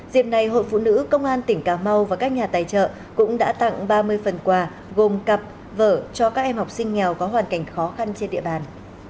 dịp này hội phụ nữ công an tỉnh cà mau và các nhà tài trợ cũng đã tặng ba mươi phần quà gồm cặp vở cho các em học sinh nghèo có hoàn cảnh khó khăn trên địa bàn